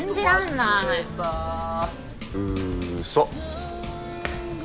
うそ。